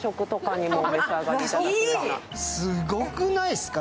すごくないすか。